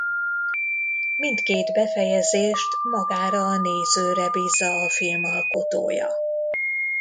Mindkét befejezést magára a nézőre bízza a film alkotója.